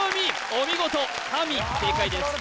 お見事かみ正解です